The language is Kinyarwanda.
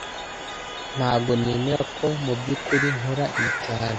Ntago nemera ko mubyukuri nkora ibi cyane